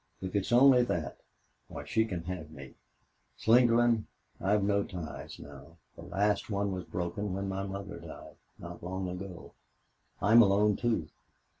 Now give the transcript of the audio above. "If it's only that why she can have me.... Slingerland, I've no ties now. The last one was broken when my mother died not long ago. I'm alone, too....